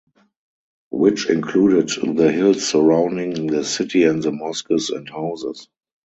Which included the hills surrounding the city and the mosques and houses.